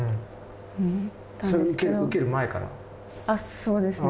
そうですね。